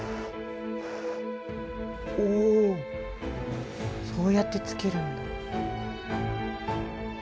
おそうやってつけるんだ。